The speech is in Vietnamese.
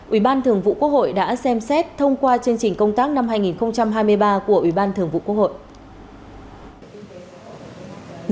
ủy ban thường vụ quốc hội đã xem xét thông qua chương trình công tác năm hai nghìn hai mươi ba của ủy ban thường vụ quốc hội